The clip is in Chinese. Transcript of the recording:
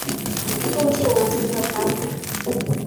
构建完成的卡组。